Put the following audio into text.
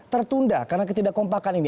tertunda karena ketidak kompakan ini